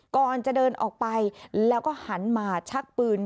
ก่อนจะเดินออกไปแล้วก็หันมาชักปืน